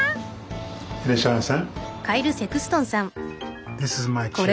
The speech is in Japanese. いらっしゃいませ。